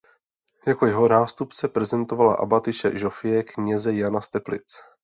Jako jeho nástupce prezentovala abatyše Žofie kněze Jana z Teplic.